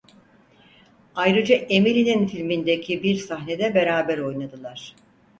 Ayrıca Emily'nin filmindeki bir sahnede beraber oynadılar.